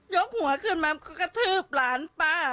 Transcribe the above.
กหัวขึ้นมากระทืบหลานป้า